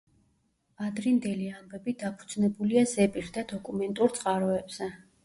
ადრინდელი ამბები დაფუძნებულია ზეპირ და დოკუმენტურ წყაროებზე.